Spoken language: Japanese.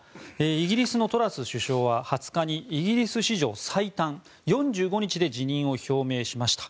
イギリスのトラス首相は２０日にイギリス史上最短４５日で辞任を表明しました。